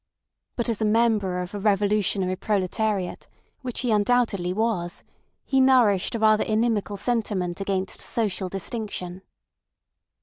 But as a member of a revolutionary proletariat—which he undoubtedly was—he nourished a rather inimical sentiment against social distinction.